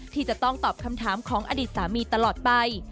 ที่จะต้องตอบคำถามของอดีตสามีตลอดไป